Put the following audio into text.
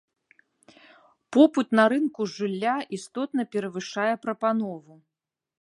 Попыт на рынку жылля істотна перавышае прапанову.